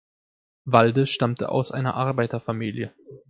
Walde stammte aus einer Arbeiterfamilie.